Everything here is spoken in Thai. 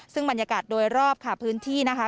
ซึ่งบรรยากาศโดยรอบค่ะพื้นที่นะคะ